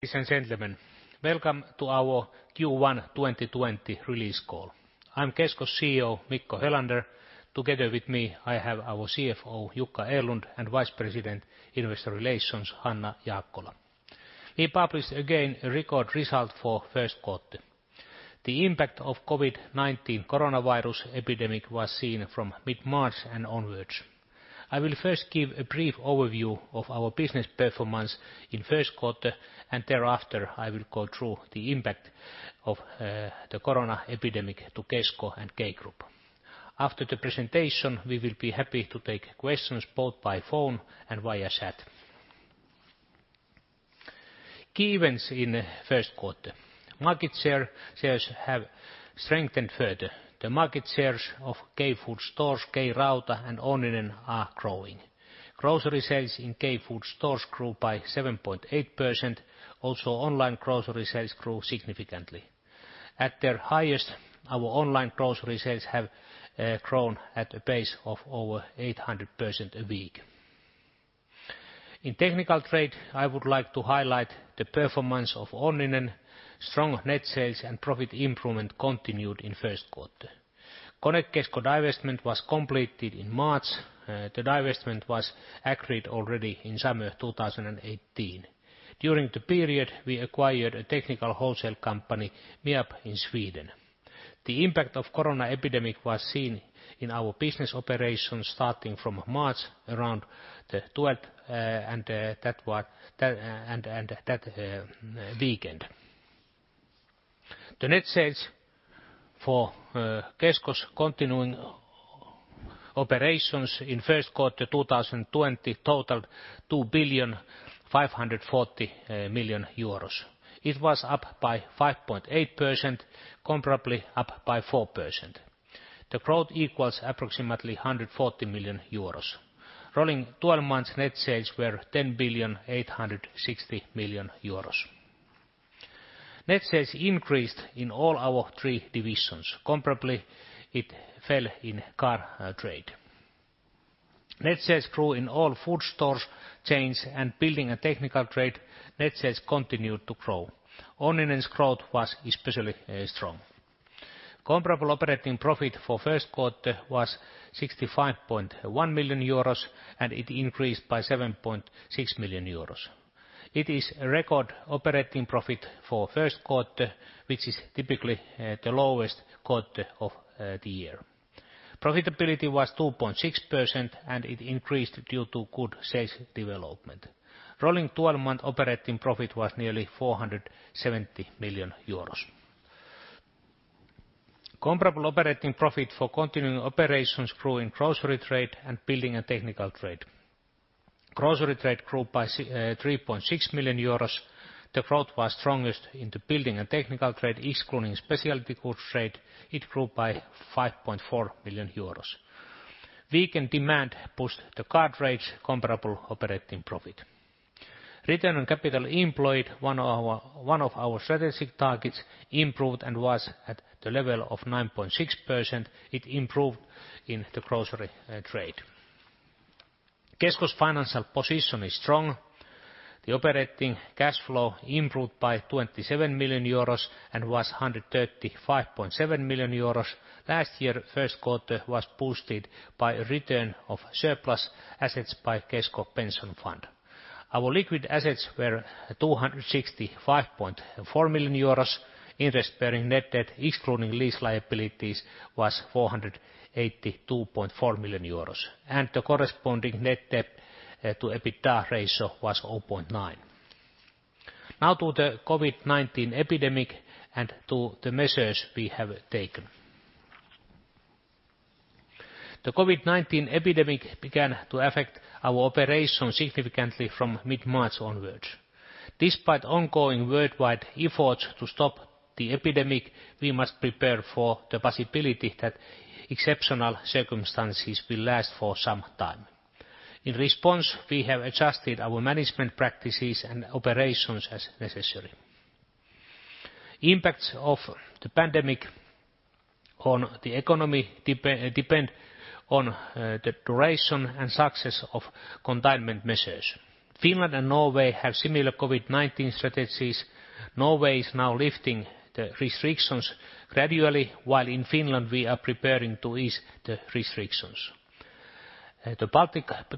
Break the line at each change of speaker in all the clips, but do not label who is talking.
Ladies and gentlemen, welcome to our Q1 2020 release call. I'm Kesko's CEO, Mikko Helander. Together with me, I have our CFO, Jukka Erlund, and Vice President, Investor Relations, Hanna Jaakkola. We published again a record result for first quarter. The impact of COVID-19 coronavirus epidemic was seen from mid-March and onwards. I will first give a brief overview of our business performance in first quarter. Thereafter, I will go through the impact of the corona epidemic to Kesko and K Group. After the presentation, we will be happy to take questions both by phone and via chat. Key events in first quarter. Market shares have strengthened further. The market shares of K-food stores, K-Rauta, and Onninen are growing. Grocery sales in K-food stores grew by 7.8%. Online grocery sales grew significantly. At their highest, our online grocery sales have grown at a pace of over 800% a week. In technical trade, I would like to highlight the performance of Onninen. Strong net sales and profit improvement continued in first quarter. Konekesko divestment was completed in March. The divestment was agreed already in summer 2018. During the period, we acquired a technical wholesale company, Miab, in Sweden. The impact of corona epidemic was seen in our business operations starting from March around the 12th and that weekend. The net sales for Kesko's continuing operations in first quarter 2020 totaled 2.54 billion. It was up by 5.8%, comparably up by 4%. The growth equals approximately 140 million euros. Rolling 12 months net sales were 10.86 billion. Net sales increased in all our three divisions. Comparably, it fell in car trade. Net sales grew in all food stores chains and building and technical trade, net sales continued to grow. Onninen's growth was especially strong. Comparable operating profit for first quarter was 65.1 million euros, and it increased by 7.6 million euros. It is a record operating profit for first quarter, which is typically the lowest quarter of the year. Profitability was 2.6%, and it increased due to good sales development. Rolling 12-month operating profit was nearly 470 million euros. Comparable operating profit for continuing operations grew in grocery trade and building and technical trade. Grocery trade grew by 3.6 million euros. The growth was strongest in the building and technical trade, excluding specialty goods trade. It grew by 5.4 million euros. Weakened demand pushed the car trade's comparable operating profit. Return on capital employed, one of our strategic targets, improved and was at the level of 9.6%. It improved in the grocery trade. Kesko's financial position is strong. The operating cash flow improved by 27 million euros and was 135.7 million euros. Last year, first quarter was boosted by a return of surplus assets by Kesko Pension Fund. Our liquid assets were 265.4 million euros, interest bearing net debt excluding lease liabilities was 482.4 million euros, and the corresponding net debt to EBITDA ratio was 0.9. Now to the COVID-19 epidemic and to the measures we have taken. The COVID-19 epidemic began to affect our operations significantly from mid-March onwards. Despite ongoing worldwide efforts to stop the epidemic, we must prepare for the possibility that exceptional circumstances will last for some time. In response, we have adjusted our management practices and operations as necessary. Impacts of the pandemic on the economy depend on the duration and success of containment measures. Finland and Norway have similar COVID-19 strategies. Norway is now lifting the restrictions gradually, while in Finland, we are preparing to ease the restrictions. The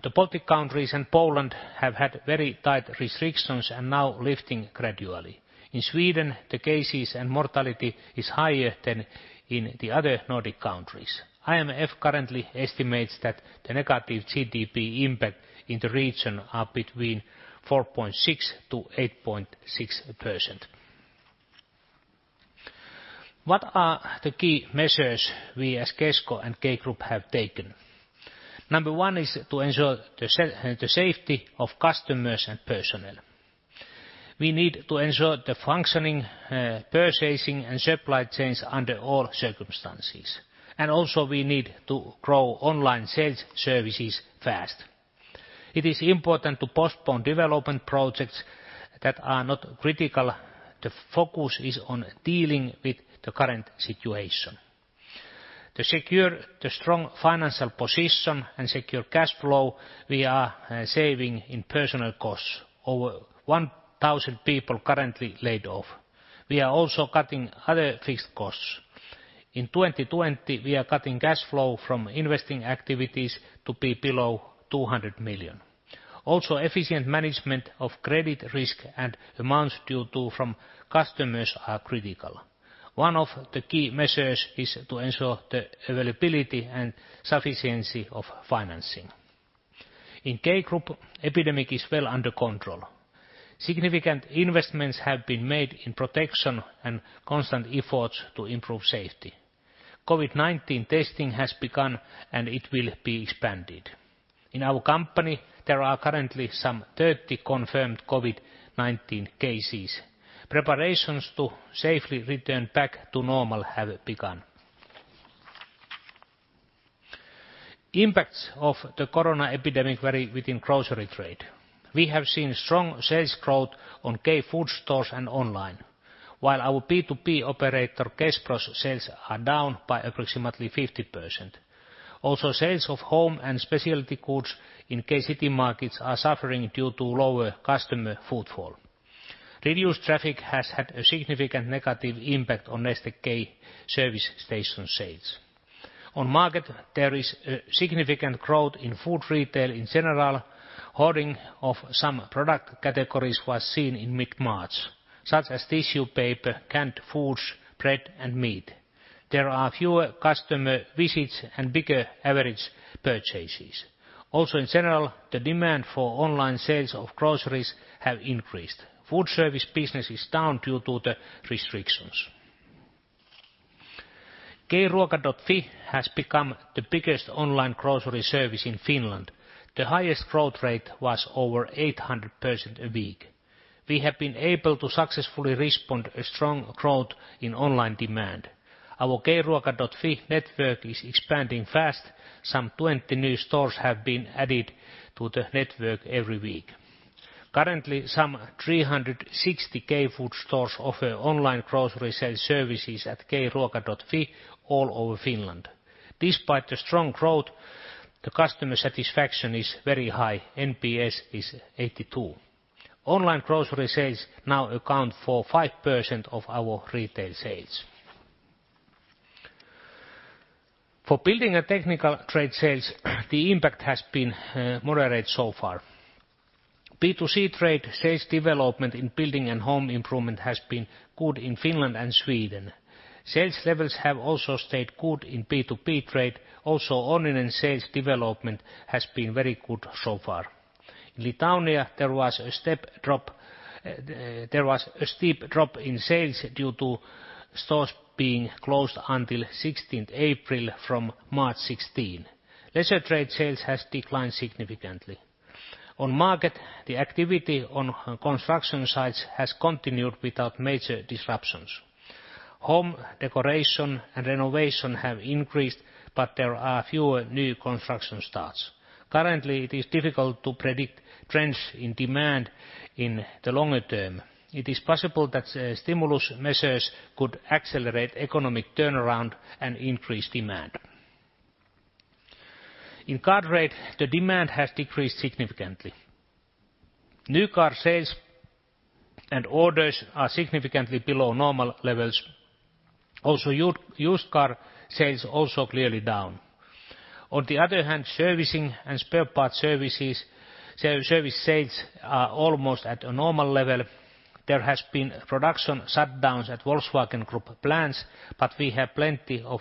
Baltic countries and Poland have had very tight restrictions and now lifting gradually. In Sweden, the cases and mortality is higher than in the other Nordic countries. IMF currently estimates that the negative GDP impact in the region are between 4.6%-8.6%. What are the key measures we as Kesko and K Group have taken? Number one is to ensure the safety of customers and personnel. We need to ensure the functioning purchasing and supply chains under all circumstances, and also we need to grow online sales services fast. It is important to postpone development projects that are not critical. The focus is on dealing with the current situation. To secure the strong financial position and secure cash flow, we are saving in personal costs, over 1,000 people currently laid off. We are also cutting other fixed costs. In 2020, we are cutting cash flow from investing activities to be below 200 million. Efficient management of credit risk and amounts due from customers are critical. One of the key measures is to ensure the availability and sufficiency of financing. In K Group, epidemic is well under control. Significant investments have been made in protection and constant efforts to improve safety. COVID-19 testing has begun, and it will be expanded. In our company, there are currently some 30 confirmed COVID-19 cases. Preparations to safely return back to normal have begun. Impacts of the corona epidemic vary within grocery trade. We have seen strong sales growth on K food stores and online, while our B2B operator, Kespro's sales are down by approximately 50%. Sales of home and specialty goods in K Citymarkets are suffering due to lower customer footfall. Reduced traffic has had a significant negative impact on Neste K service station sales. On market, there is a significant growth in food retail in general. Hoarding of some product categories was seen in mid-March, such as tissue paper, canned foods, bread, and meat. There are fewer customer visits and bigger average purchases. Also, in general, the demand for online sales of groceries have increased. Food service business is down due to the restrictions. K-Ruoka.fi has become the biggest online grocery service in Finland. The highest growth rate was over 800% a week. We have been able to successfully respond a strong growth in online demand. Our K-Ruoka.fi network is expanding fast. Some 20 new stores have been added to the network every week. Currently, some 360 K-food stores offer online grocery sales services at K-Ruoka.fi all over Finland. Despite the strong growth, the customer satisfaction is very high. NPS is 82. Online grocery sales now account for 5% of our retail sales. For building and technical trade sales, the impact has been moderate so far. B2C trade sales development in building and home improvement has been good in Finland and Sweden. Sales levels have also stayed good in B2B trade. Onninen sales development has been very good so far. In Lithuania, there was a steep drop in sales due to stores being closed until April 16th from March 16. Leisure trade sales has declined significantly. On market, the activity on construction sites has continued without major disruptions. Home decoration and renovation have increased, there are fewer new construction starts. Currently, it is difficult to predict trends in demand in the longer term. It is possible that stimulus measures could accelerate economic turnaround and increase demand. In car trade, the demand has decreased significantly. New car sales and orders are significantly below normal levels. Also, used car sales clearly down. On the other hand, servicing and spare parts service sales are almost at a normal level. There has been production shutdowns at Volkswagen Group plants, but we have plenty of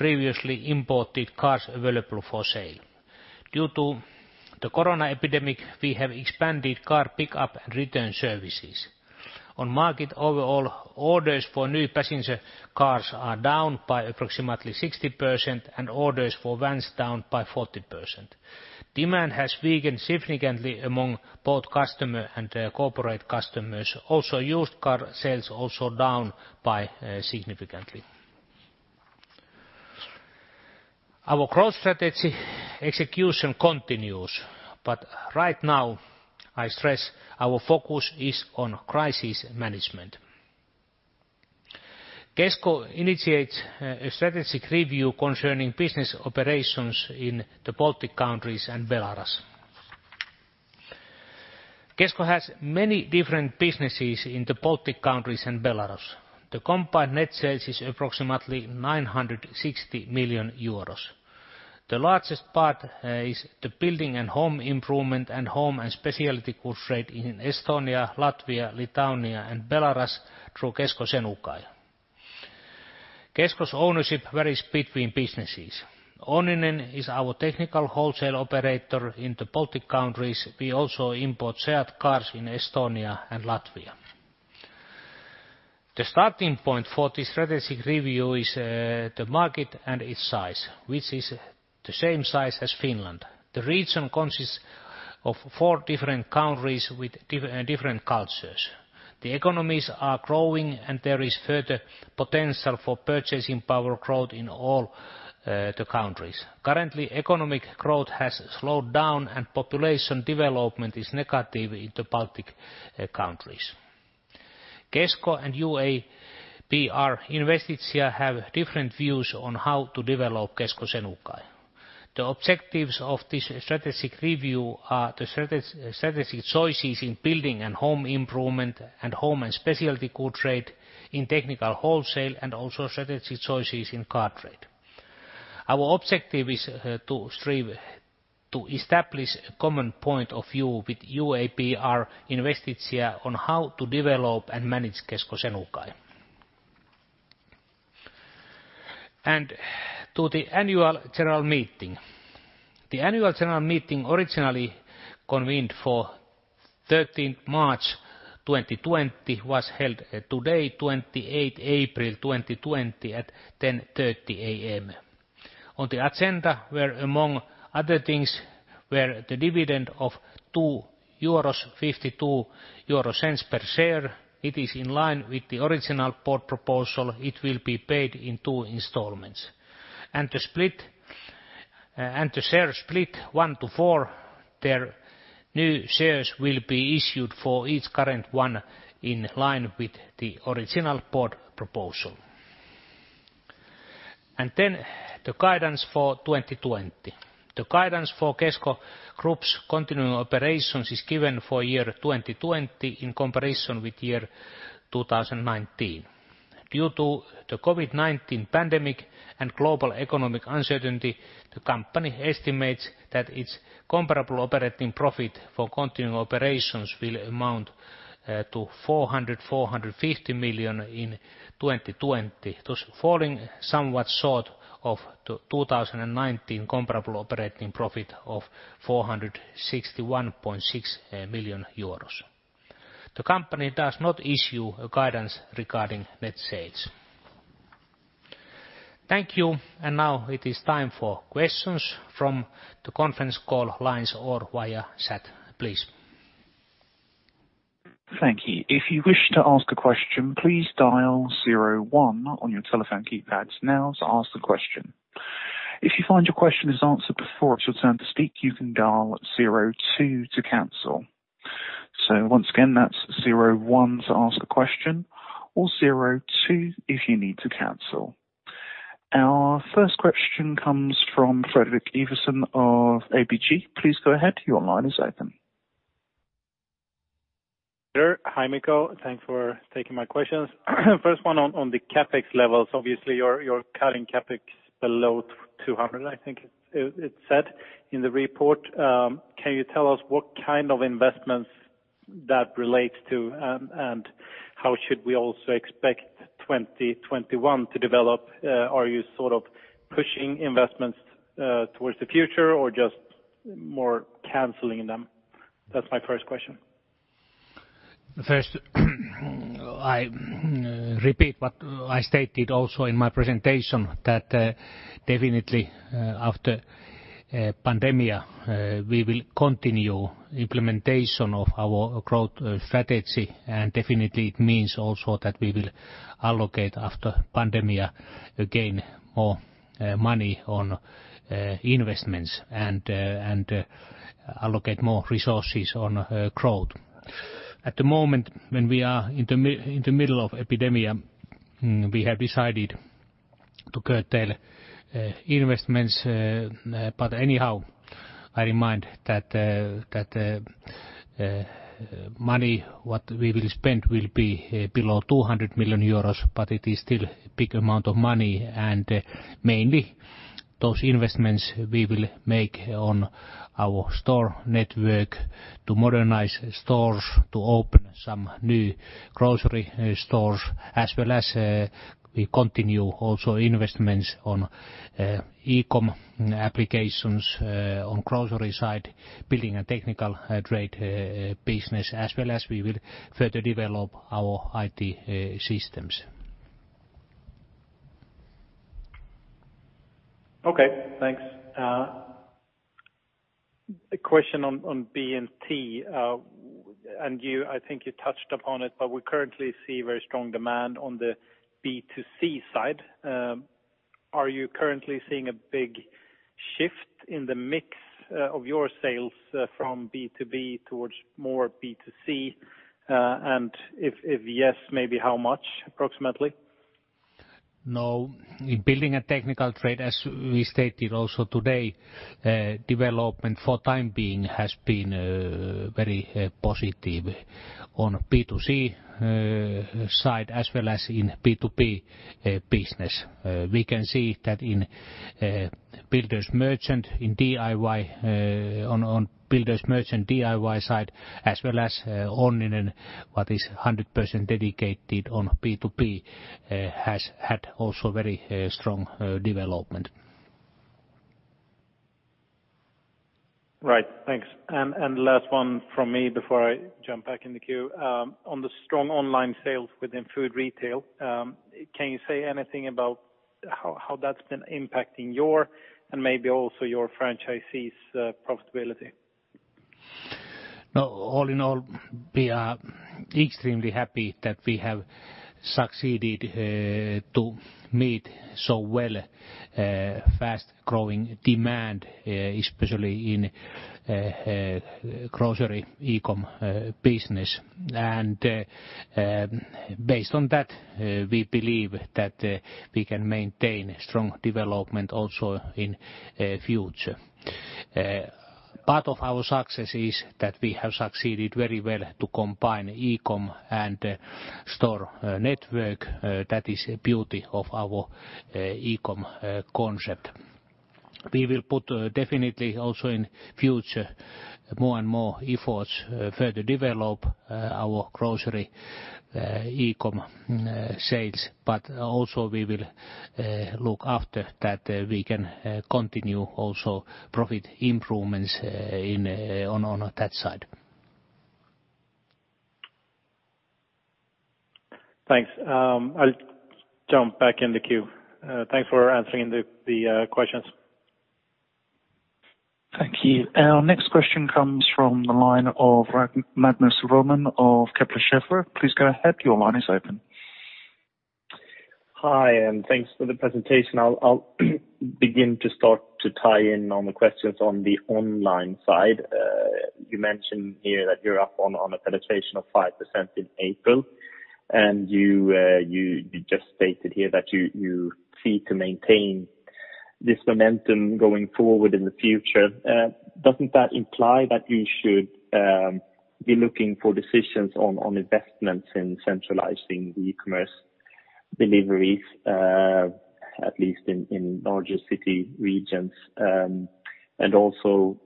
previously imported cars available for sale. Due to the corona epidemic, we have expanded car pickup and return services. On market, overall orders for new passenger cars are down by approximately 60%, and orders for vans down by 40%. Demand has weakened significantly among both customer and corporate customers. Also, used car sales down by significantly. Our growth strategy execution continues. Right now, I stress our focus is on crisis management. Kesko initiates a strategic review concerning business operations in the Baltic countries and Belarus. Kesko has many different businesses in the Baltic countries and Belarus. The combined net sales is approximately 960 million euros. The largest part is the building and home improvement and home and specialty goods trade in Estonia, Latvia, Lithuania and Belarus through Kesko Senukai. Kesko's ownership varies between businesses. Onninen is our technical wholesale operator in the Baltic countries. We also import SEAT cars in Estonia and Latvia. The starting point for this strategic review is the market and its size, which is the same size as Finland. The region consists of four different countries with different cultures. The economies are growing, and there is further potential for purchasing power growth in all the countries. Currently, economic growth has slowed down, and population development is negative in the Baltic countries. Kesko and UAB Investicija have different views on how to develop Kesko Senukai. The objectives of this strategic review are the strategic choices in building and home improvement and home and specialty good trade in technical wholesale and also strategic choices in car trade. Our objective is to establish a common point of view with UAB Investicija on how to develop and manage Kesko Senukai. To the annual general meeting. The annual general meeting originally convened for 13th March 2020 was held today, 28th April 2020 at 10:30 A.M. On the agenda were, among other things, the dividend of 2.52 euros per share. It is in line with the original board proposal. It will be paid in two installments. The share split 1-4, the new shares will be issued for each current one in line with the original board proposal. The guidance for 2020. The guidance for Kesko groups continuing operations is given for 2020 in comparison with 2019. Due to the COVID-19 pandemic and global economic uncertainty, the company estimates that its comparable operating profit for continuing operations will amount to 400 million-450 million in 2020, thus falling somewhat short of the 2019 comparable operating profit of 461.6 million euros. The company does not issue a guidance regarding net sales. Thank you. Now it is time for questions from the conference call lines or via chat, please.
Thank you. If you wish to ask a question, please dial zero one on your telephone keypads now to ask the question. If you find your question is answered before it's your turn to speak, you can dial zero two to cancel. Once again, that's zero one to ask a question or zero two if you need to cancel. Our first question comes from Fredrik Ivarsson of ABG. Please go ahead. Your line is open.
Sure. Hi, Mikko. Thanks for taking my questions. First one on the CapEx levels. Obviously, you're cutting CapEx below 200, I think it said in the report. Can you tell us what kind of investments that relates to, and how should we also expect 2021 to develop? Are you sort of pushing investments towards the future or just more canceling them? That's my first question.
First, I repeat what I stated also in my presentation, that definitely after pandemia, we will continue implementation of our growth strategy, and definitely it means also that we will allocate after pandemia again more money on investments and allocate more resources on growth. At the moment when we are in the middle of epidemic, we have decided to curtail investments. Anyhow, I remind that money what we will spend will be below 200 million euros, but it is still big amount of money, and mainly those investments we will make on our store network to modernize stores, to open some new grocery stores, as well as we continue also investments on e-com applications on grocery side, building and technical trade business, as well as we will further develop our IT systems.
Okay. Thanks. A question on B&T. You, I think you touched upon it, but we currently see very strong demand on the B2C side. Are you currently seeing a big shift in the mix of your sales from B2B towards more B2C? If yes, maybe how much approximately?
No. In building a technical trade, as we stated also today, development for time being has been very positive on B2C side as well as in B2B business. We can see that on builder's merchant DIY side, as well as Onninen what is 100% dedicated on B2B has had also very strong development.
Right. Thanks. Last one from me before I jump back in the queue. On the strong online sales within food retail, can you say anything about how that's been impacting your and maybe also your franchisees' profitability?
All in all, we are extremely happy that we have succeeded to meet so well fast-growing demand, especially in grocery e-com business. Based on that, we believe that we can maintain strong development also in future. Part of our success is that we have succeeded very well to combine e-com and store network. That is a beauty of our e-com concept. We will put definitely also in future more and effort to further develop our grocery e-com sales. Also we will look after that we can continue also profit improvements on that side.
Thanks. I'll jump back in the queue. Thanks for answering the questions.
Thank you. Our next question comes from the line of Magnus Råman of Kepler Cheuvreux. Please go ahead. Your line is open.
Hi. Thanks for the presentation. I'll begin to start to tie in on the questions on the online side. You mentioned here that you're up on a penetration of 5% in April, and you just stated here that you seek to maintain this momentum going forward in the future. Doesn't that imply that you should be looking for decisions on investments in centralizing the e-commerce deliveries at least in larger city regions, also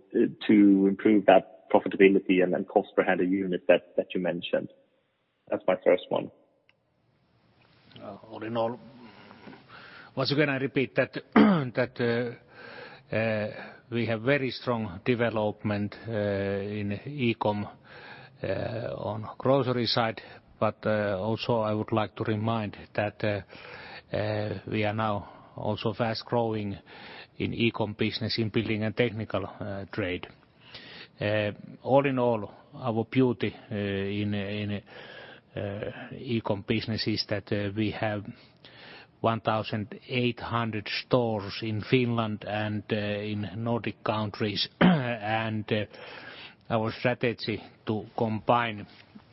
to improve that profitability and then cost per handed unit that you mentioned? That's my first one.
All in all, once again, I repeat that we have very strong development in e-com on grocery side. Also I would like to remind that we are now also fast-growing in e-com business in building and technical trade. All in all, our beauty in e-com business is that we have 1,800 stores in Finland and in Nordic countries, and our strategy to combine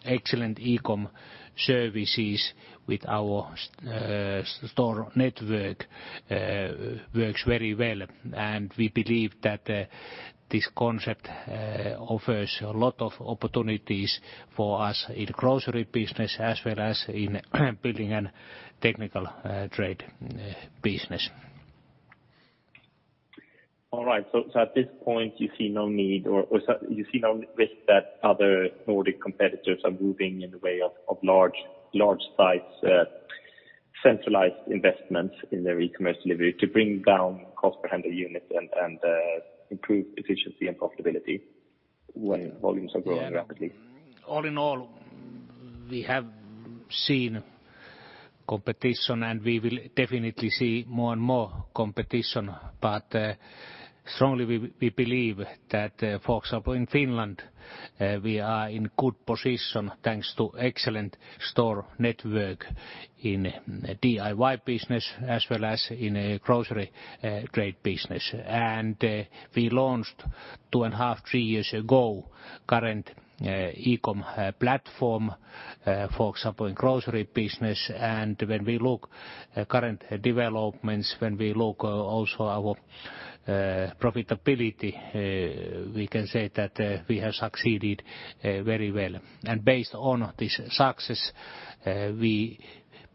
excellent e-com services with our store network works very well. We believe that this concept offers a lot of opportunities for us in grocery business as well as in building and technical trade business.
All right. At this point, you see no need or you see no risk that other Nordic competitors are moving in the way of large size centralized investments in their e-commerce delivery to bring down cost per handed unit and improve efficiency and profitability when volumes are growing rapidly?
All in all, we have seen competition and we will definitely see more and more competition. Strongly we believe that, for example, in Finland, we are in good position thanks to excellent store network in DIY business as well as in grocery trade business. We launched two and a half, three years ago, current e-com platform, for example, in grocery business. When we look at current developments, when we look also our profitability we can say that we have succeeded very well. Based on this success, we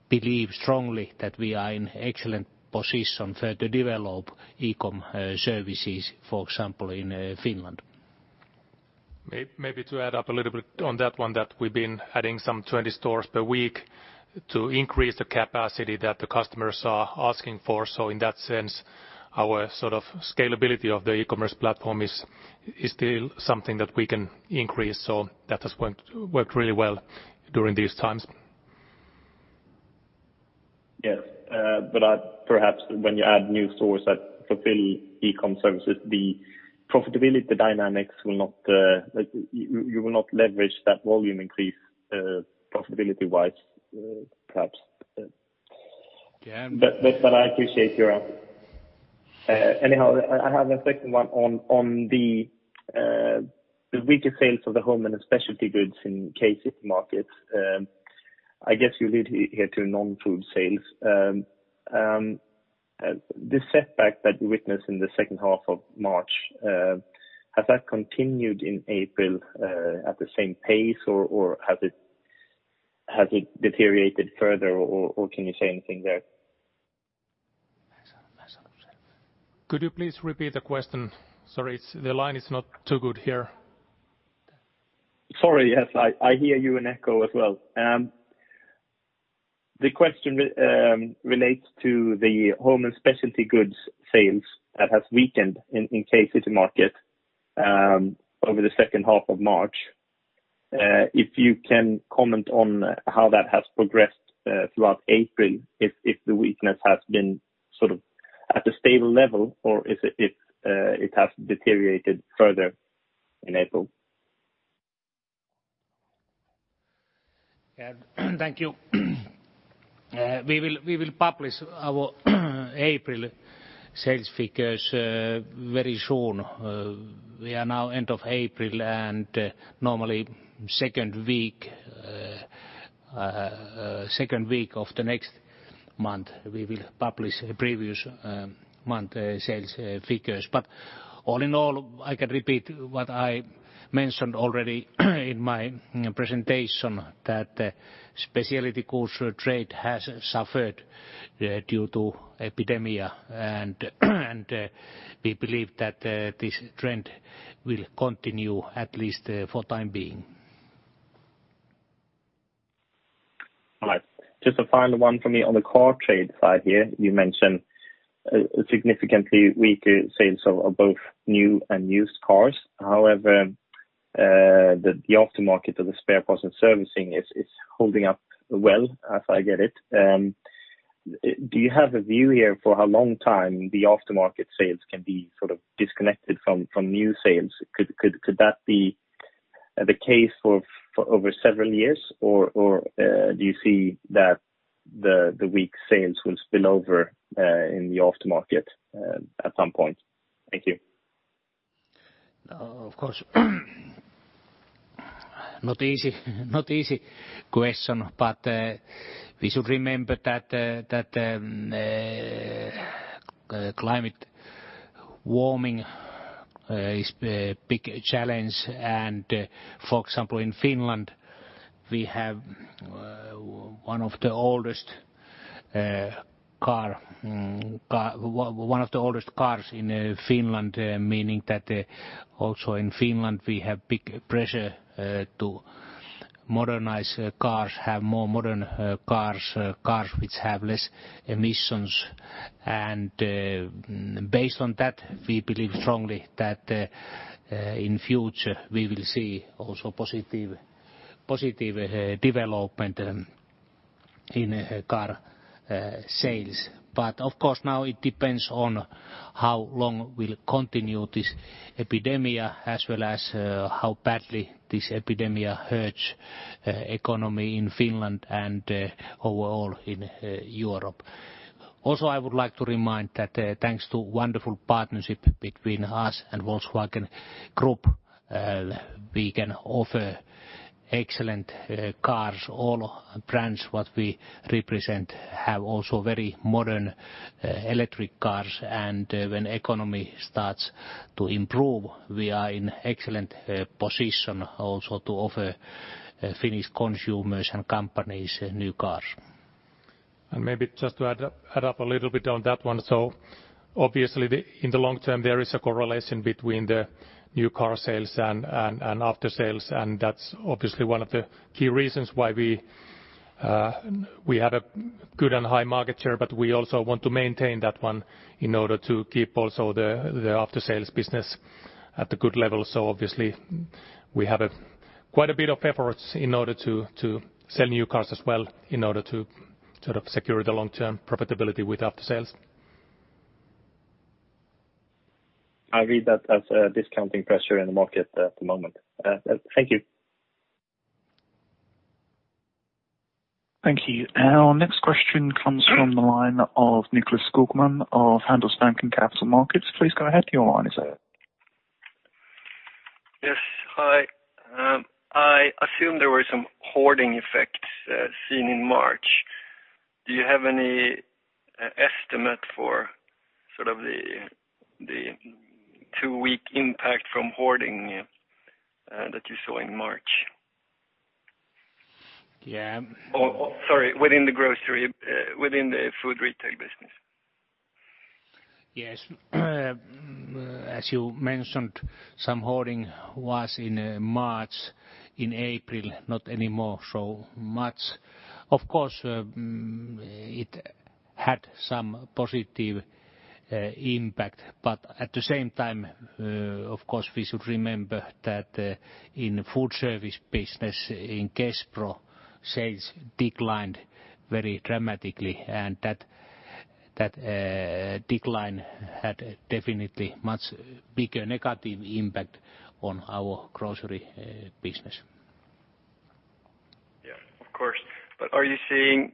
believe strongly that we are in excellent position to further develop e-com services, for example, in Finland.
Maybe to add up a little bit on that one, that we've been adding some 20 stores per week to increase the capacity that the customers are asking for. In that sense, our sort of scalability of the e-commerce platform is still something that we can increase. That has worked really well during these times.
Yes. Perhaps when you add new stores that fulfill e-com services, the profitability dynamics, you will not leverage that volume increase profitability-wise perhaps.
Yeah.
I appreciate your answer. Anyhow, I have a second one on the weaker sales of the home and the specialty goods in K-Citymarkets. I guess you lead here to non-food sales. The setback that you witnessed in the second half of March, has that continued in April at the same pace, or has it deteriorated further, or can you say anything there?
Could you please repeat the question? Sorry, the line is not too good here.
Sorry. Yes, I hear you in echo as well. The question relates to the home and specialty goods sales that has weakened in K-Citymarket over the second half of March. If you can comment on how that has progressed throughout April, if the weakness has been sort of at a stable level, or if it has deteriorated further in April.
Yeah. Thank you. We will publish our April sales figures very soon. We are now end of April and normally second week of the next month, we will publish previous month sales figures. All in all, I can repeat what I mentioned already in my presentation, that specialty core trade has suffered due to epidemic. We believe that this trend will continue at least for time being.
All right. Just a final one for me. On the core trade side here, you mentioned significantly weaker sales of both new and used cars. However, the aftermarket or the spare parts and servicing is holding up well, as I get it. Do you have a view here for how long time the aftermarket sales can be sort of disconnected from new sales? Could that be the case for over several years? Do you see that the weak sales will spill over in the aftermarket at some point? Thank you.
Of course. Not easy question. We should remember that the climate warming is a big challenge. For example, in Finland, we have one of the oldest cars in Finland, meaning that also in Finland, we have big pressure to modernize cars, have more modern cars which have less emissions. Based on that, we believe strongly that in future we will see also positive development in car sales. Of course, now it depends on how long will continue this epidemic as well as how badly this epidemic hurts economy in Finland and overall in Europe. Also, I would like to remind that thanks to wonderful partnership between us and Volkswagen Group, we can offer excellent cars. All brands what we represent have also very modern electric cars and when economy starts to improve, we are in excellent position also to offer Finnish consumers and companies new cars.
Maybe just to add up a little bit on that one. Obviously in the long term, there is a correlation between the new car sales and aftersales. That's obviously one of the key reasons why we have a good and high market share, but we also want to maintain that one in order to keep also the aftersales business at a good level. Obviously we have quite a bit of efforts in order to sell new cars as well in order to sort of secure the long-term profitability with aftersales.
I read that as a discounting pressure in the market at the moment. Thank you.
Thank you. Our next question comes from the line of Nicklas Skogman of Handelsbanken Capital Markets. Please go ahead. Your line is open.
Yes. Hi. I assume there were some hoarding effects seen in March. Do you have any estimate for sort of the two-week impact from hoarding that you saw in March?
Yeah-
sorry, within the grocery, within the food retail business.
Yes. As you mentioned, some hoarding was in March. In April, not anymore so much. Of course, it had some positive impact, but at the same time, of course, we should remember that in food service business, in Kespro, sales declined very dramatically, and that decline had definitely much bigger negative impact on our grocery business.
Yeah, of course. Are you seeing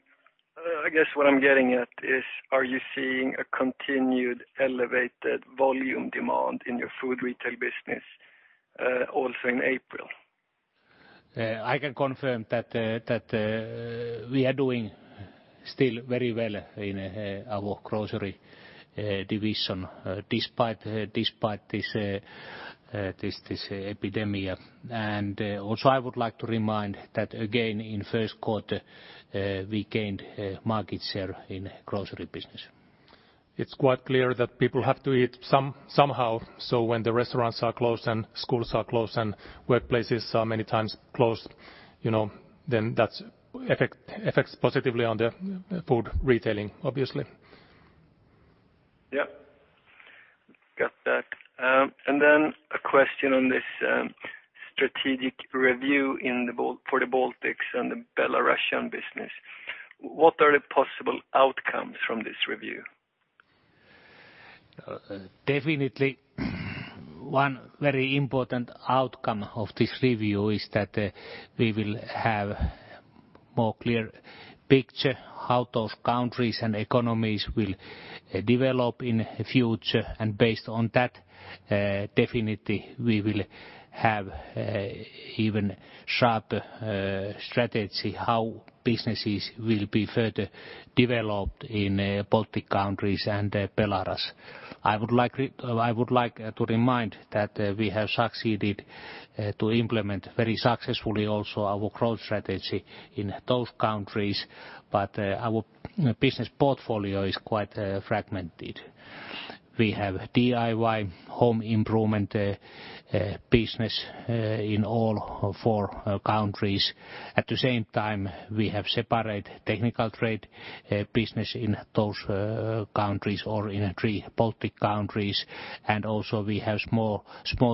I guess what I'm getting at is, are you seeing a continued elevated volume demand in your food retail business also in April?
I can confirm that we are doing still very well in our grocery division, despite this epidemic. Also I would like to remind that again, in first quarter, we gained market share in grocery business.
It's quite clear that people have to eat somehow. When the restaurants are closed and schools are closed and workplaces are many times closed, then that affects positively on the food retailing, obviously.
Yep. Got that. A question on this strategic review for the Baltics and the Belarusian business. What are the possible outcomes from this review?
Definitely one very important outcome of this review is that we will have more clear picture how those countries and economies will develop in the future. Based on that, definitely we will have even sharper strategy how businesses will be further developed in Baltic countries and Belarus. I would like to remind that we have succeeded to implement very successfully also our growth strategy in those countries, but our business portfolio is quite fragmented. We have DIY home improvement business in all four countries. At the same time, we have separate technical trade business in those countries or in three Baltic countries, and also we have small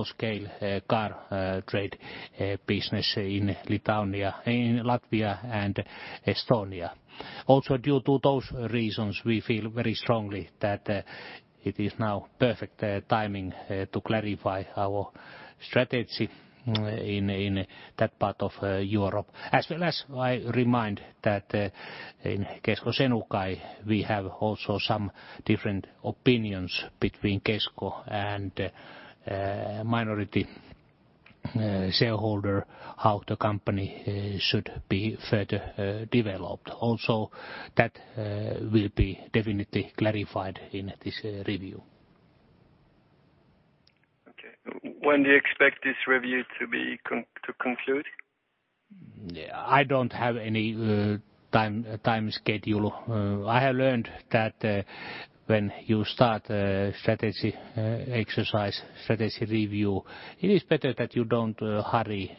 scale car trade business in Latvia and Estonia. Due to those reasons, we feel very strongly that it is now perfect timing to clarify our strategy in that part of Europe. As well as I remind that in Kesko Senukai, we have also some different opinions between Kesko and minority shareholder, how the company should be further developed. That will be definitely clarified in this review.
Okay. When do you expect this review to conclude?
I don't have any time schedule. I have learned that when you start a strategy exercise, strategy review, it is better that you don't hurry.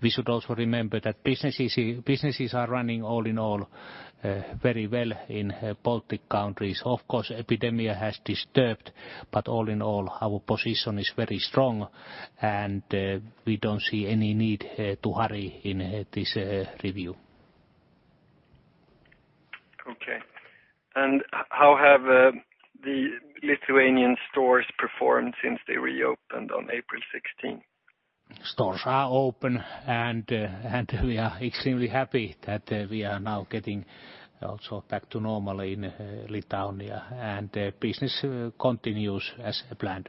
We should also remember that businesses are running all in all very well in Baltic countries. Of course, epidemic has disturbed, but all in all, our position is very strong, and we don't see any need here to hurry in this review.
Okay. How have the Lithuanian stores performed since they reopened on April 16?
Stores are open, and we are extremely happy that we are now getting also back to normal in Lithuania, and business continues as planned.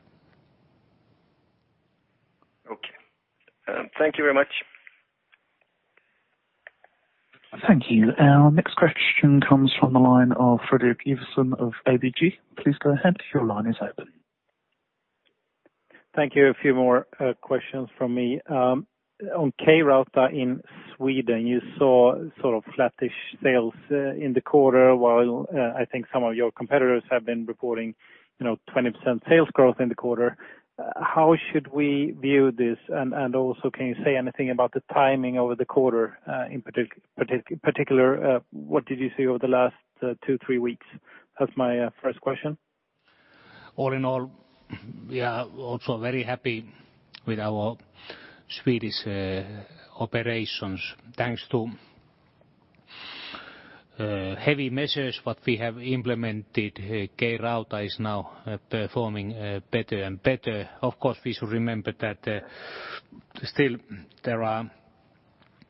Okay. Thank you very much.
Thank you. Our next question comes from the line of Fredrik Ivarsson of ABG. Please go ahead. Your line is open.
Thank you. A few more questions from me. On K-Rauta in Sweden, you saw sort of flattish sales in the quarter, while I think some of your competitors have been reporting 20% sales growth in the quarter. How should we view this? Also, can you say anything about the timing over the quarter, in particular, what did you see over the last two, three weeks? That's my first question.
All in all, we are also very happy with our Swedish operations. Thanks to heavy measures what we have implemented, K-Rauta is now performing better and better. Of course, we should remember that still there are,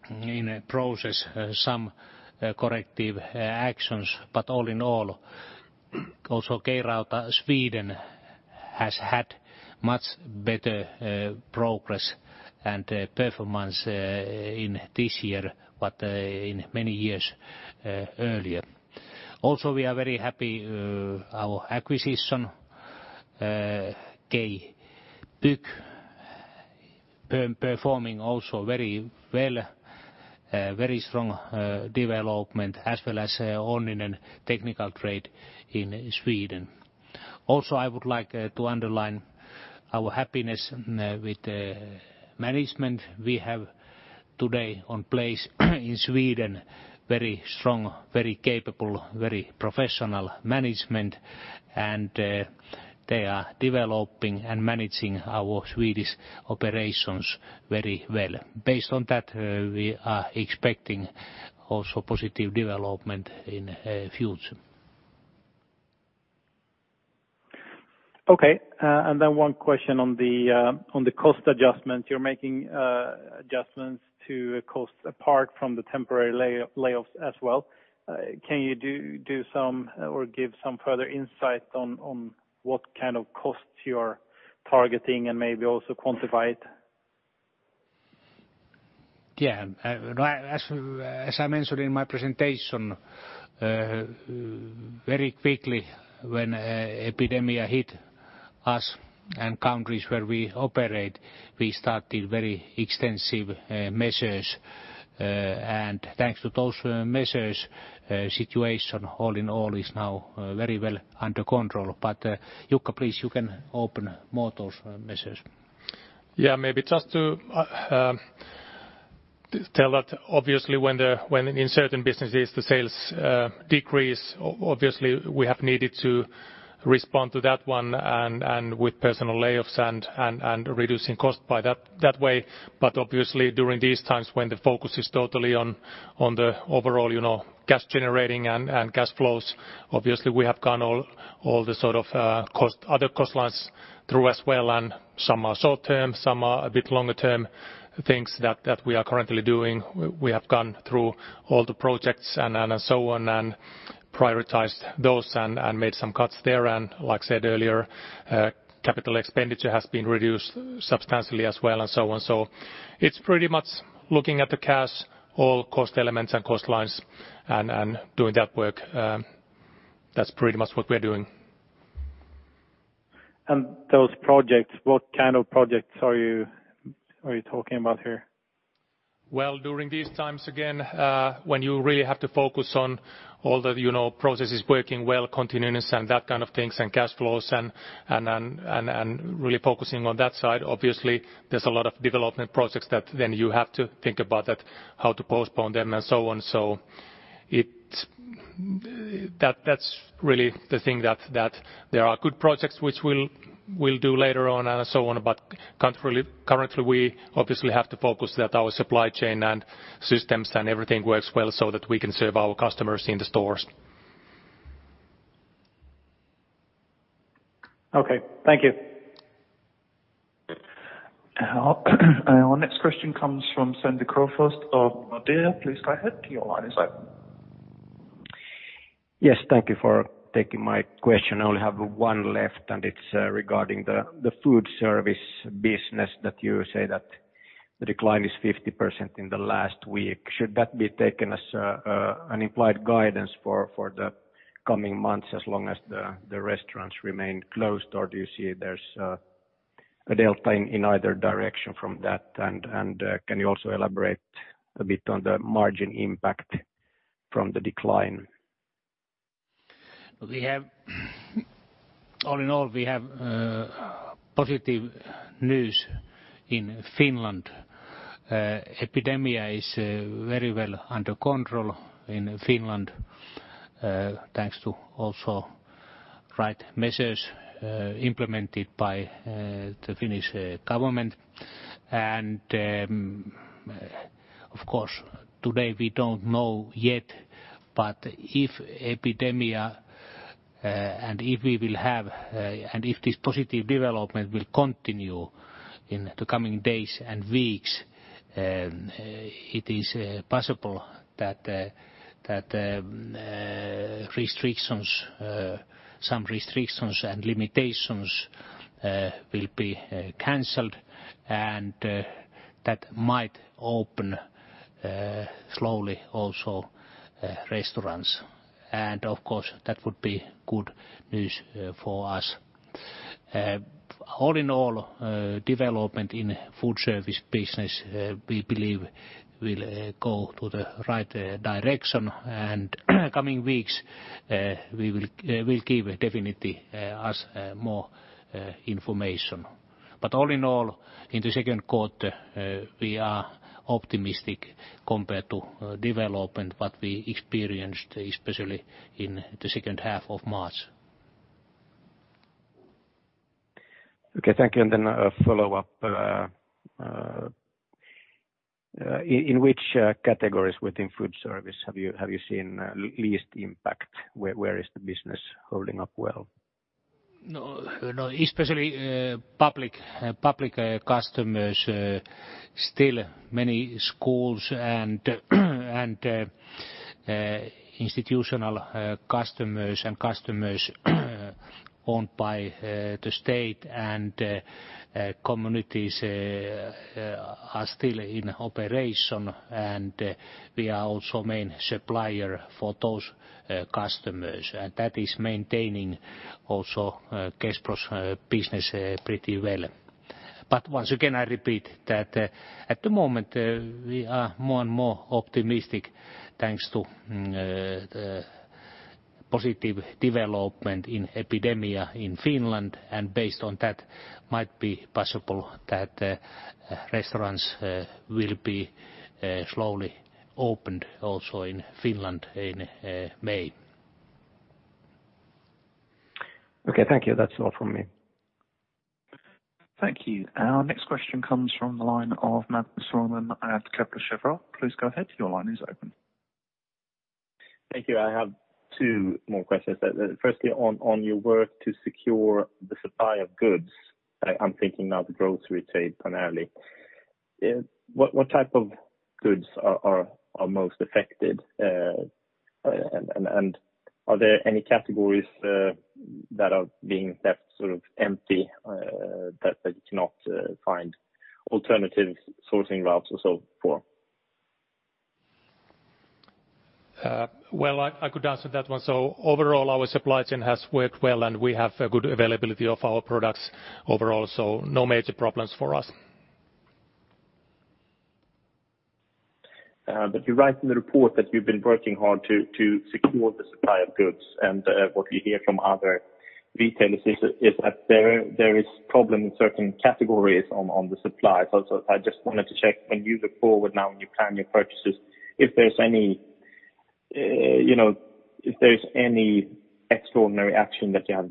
in process, some corrective actions. All in all, also K-Rauta Sweden has had much better progress and performance in this year, but in many years earlier. Also, we are very happy our acquisition K-Bygg performing also very well. Very strong development as well as Onninen technical trade in Sweden. Also, I would like to underline our happiness with the management we have today on place in Sweden. Very strong, very capable, very professional management, and they are developing and managing our Swedish operations very well. Based on that, we are expecting also positive development in future.
Okay. One question on the cost adjustment. You're making adjustments to cost apart from the temporary layoffs as well. Can you do some or give some further insight on what kind of costs you are targeting and maybe also quantify it?
Yeah. As I mentioned in my presentation, very quickly when epidemic hit us and countries where we operate, we started very extensive measures. Thanks to those measures, situation all in all is now very well under control. Jukka Erlund, please, you can open more those measures.
Maybe just to tell that obviously when in certain businesses the sales decrease, obviously we have needed to respond to that one and with personal layoffs and reducing cost by that way. Obviously during these times when the focus is totally on the overall cash generating and cash flows. Obviously, we have gone all the sort of other cost lines through as well, and some are short-term, some are a bit longer term things that we are currently doing. We have gone through all the projects and so on and prioritized those and made some cuts there. Like I said earlier, capital expenditure has been reduced substantially as well, and so on. It's pretty much looking at the cash, all cost elements and cost lines and doing that work. That's pretty much what we're doing.
Those projects, what kind of projects are you talking about here?
Well, during these times, again, when you really have to focus on all the processes working well, continuous and that kind of things, and cash flows and really focusing on that side, obviously, there's a lot of development projects that then you have to think about how to postpone them and so on. That's really the thing that there are good projects which we'll do later on and so on, but currently we obviously have to focus that our supply chain and systems and everything works well so that we can serve our customers in the stores.
Okay. Thank you.
Our next question comes from Sami Crowfoot of Nordea. Please go ahead, your line is open.
Yes, thank you for taking my question. I only have one left, and it's regarding the food service business that you say that the decline is 50% in the last week. Should that be taken as an implied guidance for the coming months as long as the restaurants remain closed? Do you see there's a delta in either direction from that? Can you also elaborate a bit on the margin impact from the decline?
All in all, we have positive news in Finland. Epidemia is very well under control in Finland, thanks to also right measures implemented by the Finnish government. Of course, today we don't know yet, but if epidemic and if this positive development will continue in the coming days and weeks, it is possible that some restrictions and limitations will be canceled, and that might open slowly also restaurants. Of course, that would be good news for us. All in all, development in food service business, we believe will go to the right direction and coming weeks will give definitely us more information. All in all, in the second quarter, we are optimistic compared to development what we experienced, especially in the second half of March.
Okay, thank you. A follow-up. In which categories within food service have you seen least impact? Where is the business holding up well?
No. Especially public customers, still many schools and institutional customers and customers owned by the state and communities are still in operation, we are also main supplier for those customers. That is maintaining also Kespro's business pretty well. Once again, I repeat that at the moment, we are more and more optimistic thanks to positive development in epidemic in Finland, and based on that might be possible that restaurants will be slowly opened also in Finland in May.
Okay, thank you. That's all from me.
Thank you. Our next question comes from the line of Magnus Råman at Kepler Cheuvreux. Please go ahead, your line is open.
Thank you. I have two more questions. Firstly, on your work to secure the supply of goods, I am thinking now the grocery trade primarily, what type of goods are most affected? Are there any categories that are being left sort of empty, that you cannot find alternative sourcing routes or so forth?
Well, I could answer that one. Overall, our supply chain has worked well, and we have a good availability of our products overall. No major problems for us.
You write in the report that you've been working hard to secure the supply of goods. What we hear from other retailers is that there is problem in certain categories on the supply. I just wanted to check when you look forward now when you plan your purchases, if there's any extraordinary action that you have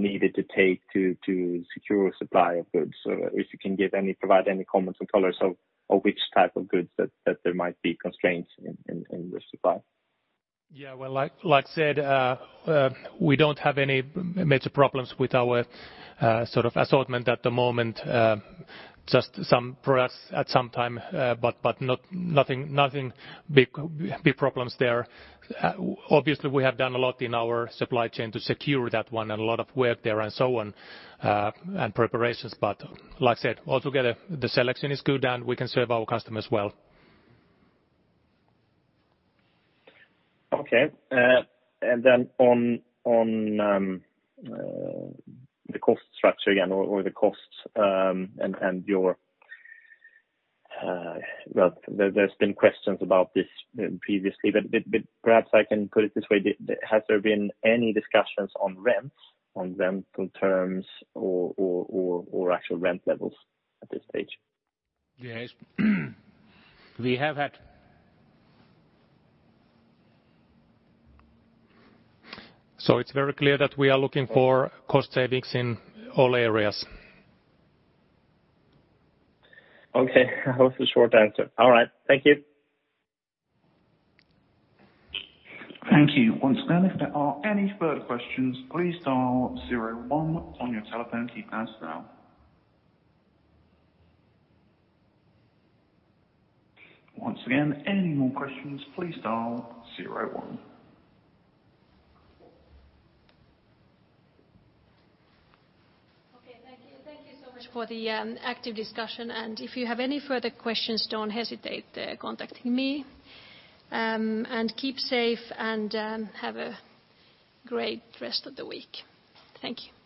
needed to take to secure supply of goods, or if you can provide any comments or colors of which type of goods that there might be constraints in the supply.
Yeah. Well, like I said, we don't have any major problems with our assortment at the moment. Just some products at some time, but nothing big problems there. Obviously, we have done a lot in our supply chain to secure that one, and a lot of work there and so on, and preparations. Like I said, altogether the selection is good and we can serve our customers well.
Okay. Then on the cost structure again or the costs, there's been questions about this previously, but perhaps I can put it this way. Has there been any discussions on rents, on rental terms or actual rent levels at this stage?
Yes. We have had. It's very clear that we are looking for cost savings in all areas.
Okay, that was a short answer. All right. Thank you.
Thank you. Once again, if there are any further questions, please dial zero one on your telephone keypads now. Once again, any more questions, please dial zero one.
Okay. Thank you so much for the active discussion. If you have any further questions, don't hesitate contacting me. Keep safe and have a great rest of the week. Thank you.